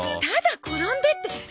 「ただ転んで」って。